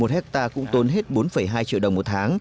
một hectare cũng tốn hết bốn hai triệu đồng một tháng